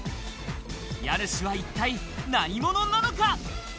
家主は一体何者なのか？